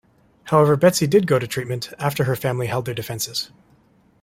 However, Betsy did go to treatment after her family held their defenses.